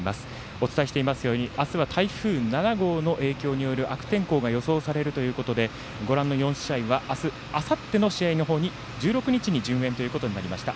お伝えしていますようにあすは台風７号の影響によって悪天候が予想されるということでご覧の４試合はあさっての試合のほうに１６日に順延となりました。